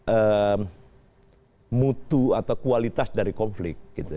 ee mutu atau kualitas dari konflik gitu